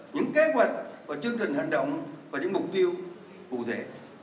những kế hoạch và chương trình hành động và những mục tiêu cụ thể